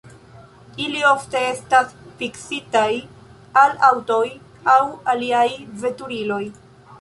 Ili ofte estas fiksitaj al aŭtoj aŭ aliaj veturiloj.